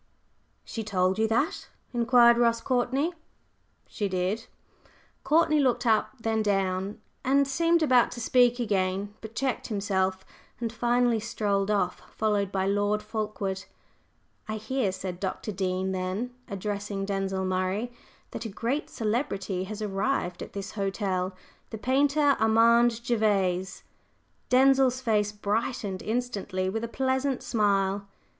"She told you that?" inquired Ross Courtney. "She did." Courtney looked up, then down, and seemed about to speak again, but checked himself and finally strolled off, followed by Lord Fulkeward. "I hear," said Dr. Dean then, addressing Denzil Murray, "that a great celebrity has arrived at this hotel the painter, Armand Gervase." Denzil's face brightened instantly with a pleasant smile.